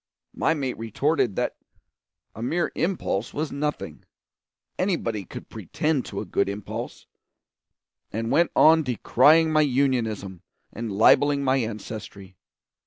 My mate retorted that a mere impulse was nothing anybody could pretend to a good impulse; and went on decrying my Unionism and libelling my ancestry.